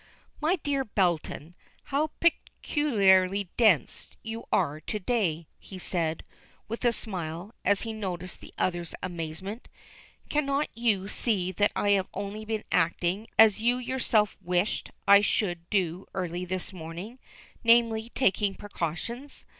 "My dear Belton, how peculiarly dense you are to day," he said, with a smile, as he noticed the other's amazement. "Cannot you see that I have only been acting as you yourself wished I should do early this morning namely, taking precautions?